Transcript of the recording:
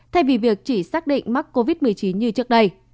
thay vì việc chỉ xác định mắc covid một mươi chín như trước đây